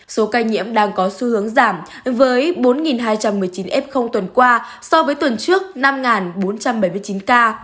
số ca nhiễm đang có xu hướng giảm với bốn hai trăm một mươi chín f tuần qua so với tuần trước năm bốn trăm bảy mươi chín ca